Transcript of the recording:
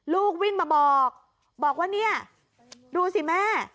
ลูกวิ่งมาบอกบอกว่าเนี่ยดูสิแม่